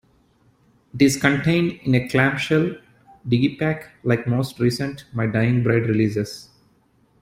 It is contained in a clamshell digipak like most recent My Dying Bride releases.